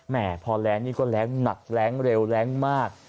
พอแรงนี่ก็แรงหนักแรงเร็วแรงมาก